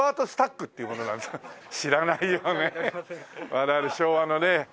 我々昭和のね。